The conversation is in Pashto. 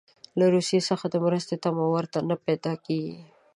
له روسیې څخه د مرستې تمه ورته نه پیدا کیږي.